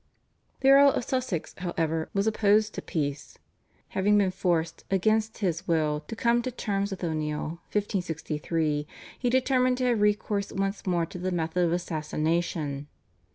The Earl of Sussex, however, was opposed to peace. Having been forced, against his will, to come to terms with O'Neill (1563), he determined to have recourse once more to the method of assassination.